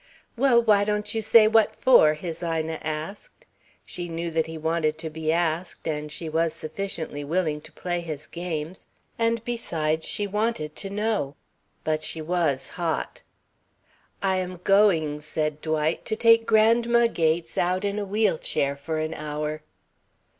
"Well, why don't you say what for?" his Ina asked. She knew that he wanted to be asked, and she was sufficiently willing to play his games, and besides she wanted to know. But she was hot. "I am going," said Dwight, "to take Grandma Gates out in a wheel chair, for an hour."